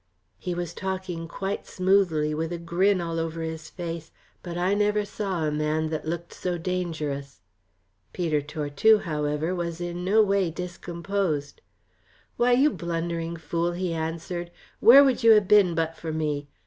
He was talking quite smoothly, with a grin all over his face, but I never saw a man that looked so dangerous. Peter Tortue, however, was in no way discomposed. "Why, you blundering fool," he answered, "where would you ha' been but for me?